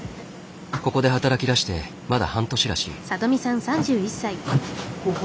ここで働きだしてまだ半年らしい。